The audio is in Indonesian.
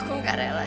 aku gak rela